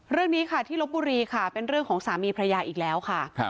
เรื่องนี้ค่ะที่ลบบุรีค่ะเป็นเรื่องของสามีพระยาอีกแล้วค่ะ